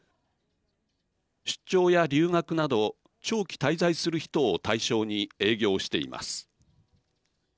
出張や留学など長期滞在する人を対象に営業しています。